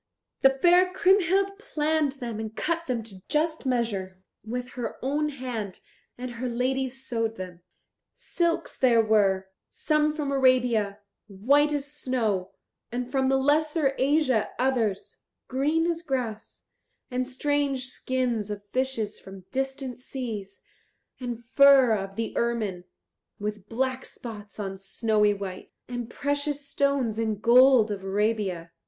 The fair Kriemhild planned them and cut them to just measure with her own hand and her ladies sewed them. Silks there were, some from Arabia, white as snow, and from the Lesser Asia others, green as grass, and strange skins of fishes from distant seas, and fur of the ermine, with black spots on snowy white, and precious stones and gold of Arabia.